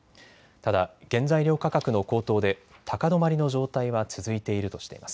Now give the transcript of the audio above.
ただ原材料価格の高騰で高止まりの状態は続いているとしています。